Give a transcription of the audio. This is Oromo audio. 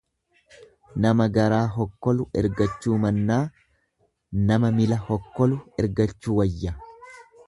Nama garaa hokkolu ergachuu mannaa nama mila hokkolu ergachuu wayya.